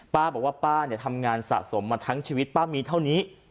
ป้าบอกว่าป้าทำงานสะสมมาทั้งชีวิตป้ามีเท่านี้